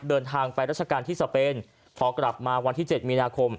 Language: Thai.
เดินทางไปราชการที่สเปนพอกลับมาวันที่๗มีนาคม